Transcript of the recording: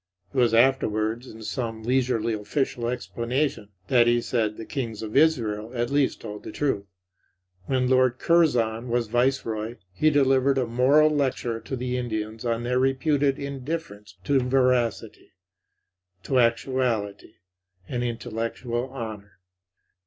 It was afterwards, in some leisurely official explanation, that he said the Kings of Israel at least told the truth. When Lord Curzon was Viceroy he delivered a moral lecture to the Indians on their reputed indifference to veracity, to actuality and intellectual honor.